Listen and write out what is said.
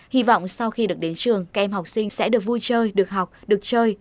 hy vọng sau khi được đến trường các em học sinh sẽ được vui chơi được học được chơi